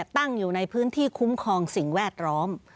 ตั้งอยู่ในพื้นที่คุ้มครองสิ่งแวดล้อม